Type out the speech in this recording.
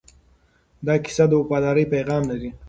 دا کیسه د وفادارۍ پیغام لري.